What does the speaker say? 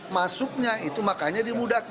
masuknya itu makanya dimudahkan